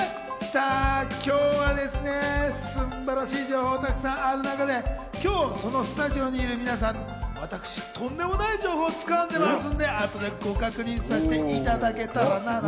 さあ、今日はですね、素晴らしい情報がたくさんある中でスタジオにいる皆さん、私、とんでもない情報を掴んでいますんで、後でご確認させていただけたらなと。